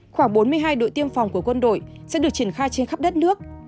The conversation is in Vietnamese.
khoảng bốn mươi hai đội tiêm phòng của quân đội sẽ được triển khai trên khắp đất nước